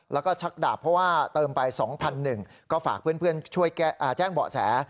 แล้วก็ชักดาบเพราะว่าเติมไป๒๑๐๐บาทก็ฝากเพื่อนช่วยแจ้งเบาะแส